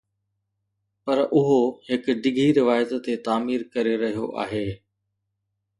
پر اهو هڪ ڊگهي روايت تي تعمير ڪري رهيو آهي